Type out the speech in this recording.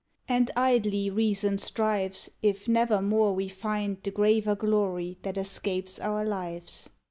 And idly Reason strives, If nevermore we find The graver glory that escapes our lives.